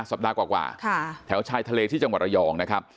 สัปดาห์กว่าแถวชายทะเลที่จังหวัดระยองนะครับ